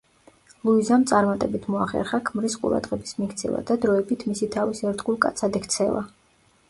ლუიზამ წარმატებით მოახერხა ქმრის ყურადღების მიქცევა და დროებით მისი თავის ერთგულ კაცად ქცევა.